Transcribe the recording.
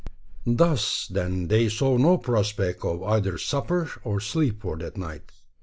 Thus, then, they saw no prospect of either supper or sleep for that night.